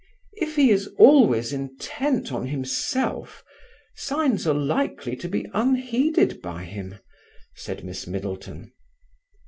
"If he is always intent on himself, signs are likely to be unheeded by him," said Miss Middleton.